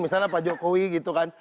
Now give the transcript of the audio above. misalnya pak jokowi gitu kan